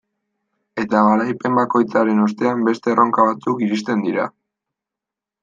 Eta garaipen bakoitzaren ostean beste erronka batzuk iristen dira.